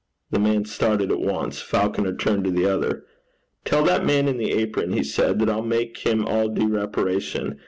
The man started at once. Falconer turned to the other. 'Tell that man in the apron,' he said, 'that I'll make him all due reparation.